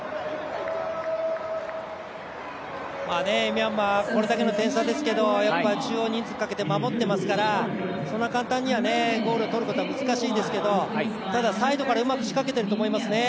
ミャンマーこれだけの点差ですけどやっぱり、中央人数をかけて守っていますからそんな簡単にはゴールを取ることは難しいですがただ、サイドからうまく仕掛けていると思いますね。